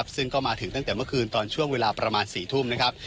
ซึ่งก็มาถึงตั้งแต่เมื่อคืนตอนช่วงเวลาประมาณ๔ทุ่มนะครับ